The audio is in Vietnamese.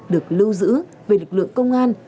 được lưu giữ về lực lượng công an